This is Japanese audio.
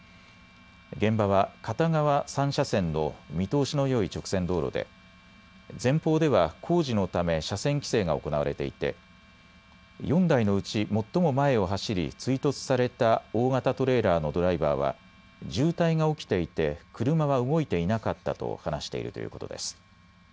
現場は片側３車線の見通しのよい直線道路で前方では工事のため車線規制が行われていて４台のうち最も前を走り追突された大型トレーラーのドライバーは渋滞が起きていて車は動いていなかったと話しているということです。